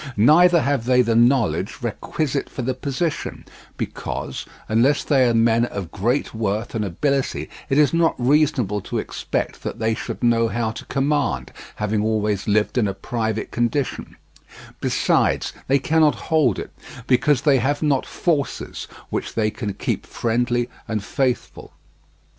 Neither have they the knowledge requisite for the position; because, unless they are men of great worth and ability, it is not reasonable to expect that they should know how to command, having always lived in a private condition; besides, they cannot hold it because they have not forces which they can keep friendly and faithful.